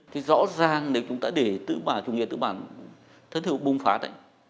thì rõ ràng nếu chúng ta để chủ nghĩa tư bản thân hữu bùng phát